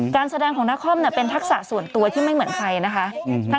การแสดงของนครเป็นทักษะส่วนตัวที่ไม่เหมือนใครนะคะ